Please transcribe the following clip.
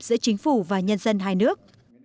giữa chính phủ và nhân dân hai nước